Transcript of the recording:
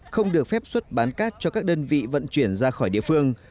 không được phép xuất bán cát cho các đơn vị vận chuyển ra khỏi địa phương